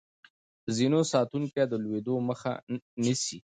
د زينو ساتونکي د لوېدو مخه نيسي.